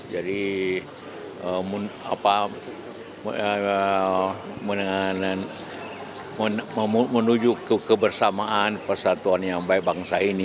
tapi apa menuju kebersamaan persatuan yang baik bangsa ini